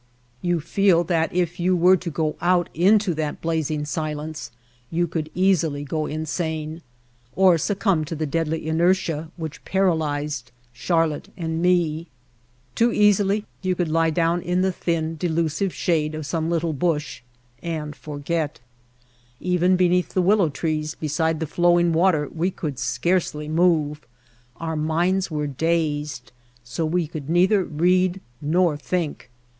You feel that if you were to go out into that blazing silence you could easily go insane, or succumb to the deadly inertia which paralyzed Charlotte and me. Too easily you could lie down in the thin, delusive shade of some little bush and forget. Even be neath the willow trees beside the flowing water we could scarcely move, our minds were dazed so we could neither read nor think.